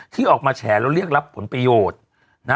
ที่ออกมาแฉแล้วเรียกรับผลประโยชน์